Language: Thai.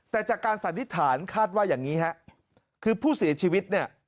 แต่จากการสันนิษฐานคาดว่าอย่างนี้ฮะคือผู้เสียชีวิตเนี่ย